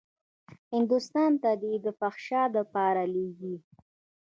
هندوستان ته يې د فحشا دپاره لېږي.